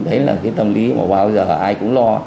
đấy là cái tâm lý mà bao giờ ai cũng lo